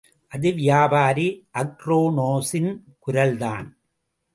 அது வியாபாரி அக்ரோனோஸின் குரல்தான்.